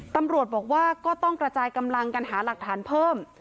ตำรวจบอกว่าก็ต้องกระจายกำลังกันหาหลักฐานเพิ่ม